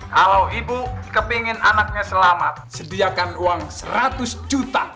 kalau ibu kepingin anaknya selamat sediakan uang seratus juta